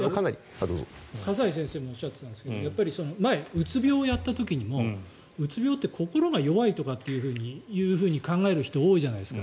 笠原先生もおっしゃっていたんですけど前、うつ病をやった時にもうつ病って心が弱いと考える人が多いじゃないですか。